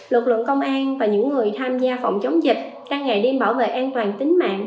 lực lượng công an và những người tham gia phòng chống dịch đang ngày đêm bảo vệ an toàn tính mạng